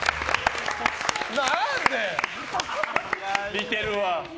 似てるわ。